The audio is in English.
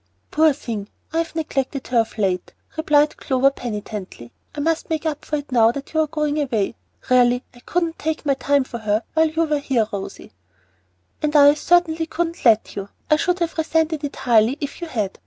"Poor thing. I've neglected her of late," replied Clover, penitently. "I must make up for it now that you are going away. Really, I couldn't take my time for her while you were here, Rosy." "And I certainly couldn't let you. I should have resented it highly if you had.